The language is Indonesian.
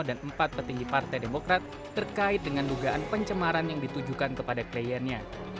dan empat petinggi partai demokrat terkait dengan dugaan pencemaran yang ditujukan kepada kliennya